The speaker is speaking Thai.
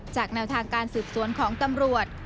แนวทางการสืบสวนของตำรวจ